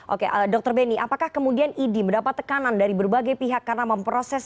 oke dokter beni apakah kemudian idi mendapat tekanan dari berbagai pihak karena memproses